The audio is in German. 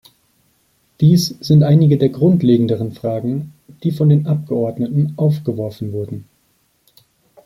Dies sind einige der grundlegenderen Fragen, die von den Abgeordneten aufgeworfen wurden.